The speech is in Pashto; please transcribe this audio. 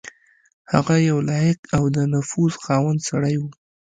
هغه یو لایق او د نفوذ خاوند سړی وو.